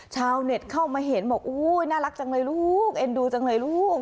ชาวเน็ตเข้ามาเห็นบอกอุ้ยน่ารักจังเลยลูกเอ็นดูจังเลยลูก